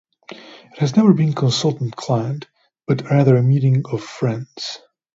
It has never been consultant-client, but rather a meeting of friends.